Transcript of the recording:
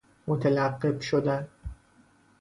متلقب شدن